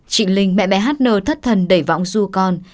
chị linh mẹ mẹ hát nờ thất thần đẩy vọng du con